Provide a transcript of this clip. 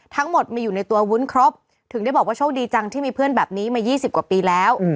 ทั้งหมดมีอยู่ในตัววุ้นครบถึงได้บอกว่าโชคดีจังที่มีเพื่อนแบบนี้มา๒๐กว่าปีแล้ว